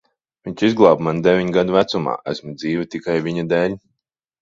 Viņš izglāba mani deviņu gadu vecumā. Esmu dzīva tikai viņa dēļ.